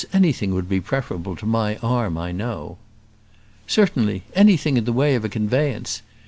Anything would be preferable to my arm, I know." "Certainly; anything in the way of a conveyance.